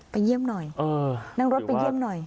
ไปเยี่ยมหน่อยนั่งรถไปเยี่ยมหน่อย